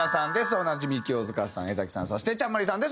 おなじみ清塚さん江さんそしてちゃんＭＡＲＩさんです。